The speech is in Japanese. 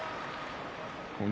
錦